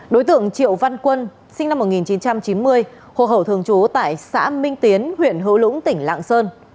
đối tượng triệu văn quân sinh năm một nghìn chín trăm chín mươi hồ hậu thường trú tại xã minh tiến huyện hữu lũng tỉnh lạng sơn